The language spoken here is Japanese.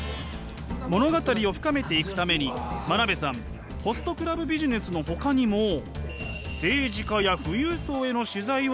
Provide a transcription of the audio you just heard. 物語を深めていくために真鍋さんホストクラブビジネスのほかにも政治家や富裕層への取材を進めているそうです！